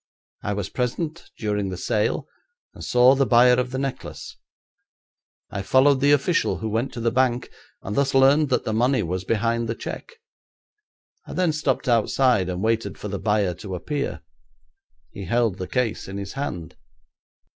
I was present during the sale, and saw the buyer of the necklace. I followed the official who went to the bank, and thus learned that the money was behind the cheque. I then stopped outside and waited for the buyer to appear. He held the case in his hand.'